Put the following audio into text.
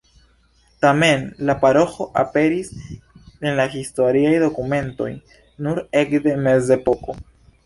Tamen, la paroĥo aperis en la historiaj dokumentoj nur ekde Mezepoko.